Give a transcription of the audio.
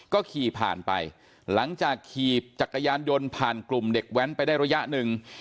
ก็ขี่ผ่านไปหลังจากขี่จักรยานยนต์ผ่านกลุ่มเด็กแว้นไปได้ระยะหนึ่ง